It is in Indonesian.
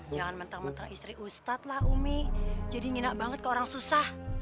jangan menteng menteng istri ustad lah umi jadi nginep banget ke orang susah